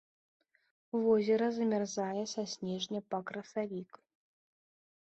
Возера замярзае са снежня па красавік.